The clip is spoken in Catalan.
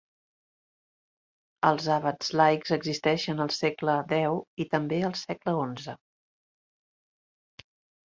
Els abats laics existien al segle X i també al segle XI.